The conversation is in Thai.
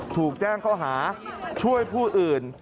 ถูกแจ้งข้อหาช่วยผู้อื่น